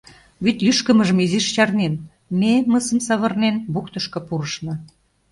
Вӱд лӱшкымыжым изиш чарнен, ме, мысым савырнен, бухтышко пурышна.